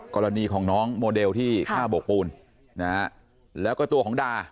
กรณีของน้องโมเดลที่ฆ่าโบกปูนนะฮะแล้วก็ตัวของดา